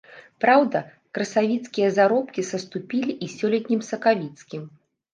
Праўда, красавіцкія заробкі саступілі і сёлетнім сакавіцкім.